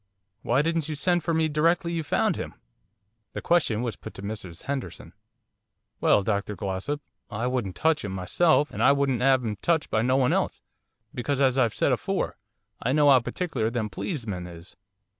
Why didn't you send for me directly you found him?' The question was put to Mrs Henderson. 'Well, Dr Glossop, I wouldn't touch 'im myself, and I wouldn't 'ave 'im touched by no one else, because, as I've said afore, I know 'ow particular them pleesmen is.